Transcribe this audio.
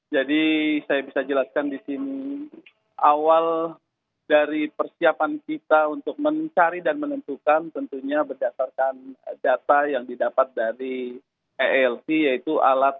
jadi saya bisa jelaskan disini awal dari persiapan kita untuk mencari dan menentukan tentunya berdasarkan data yang didapat dari elp yaitu alat